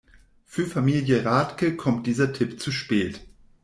Für Familie Radke kommt dieser Tipp zu spät.